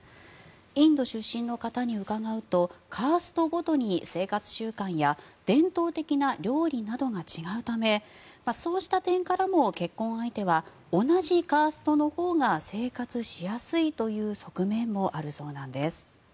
インド出身の方に伺うとカーストごとに生活習慣や伝統的な料理などが違うためそうした点からも結婚相手は同じカーストのほうが生活しやすいという側面もあるそうなんです。